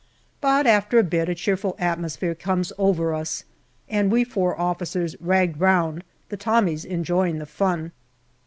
But after a bit a cheerful atmosphere comes over us, and we four officers "ragged" round, the Tommies enjoying the fun.